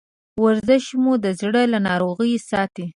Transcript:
ورزش مو د زړه له ناروغیو ساتي.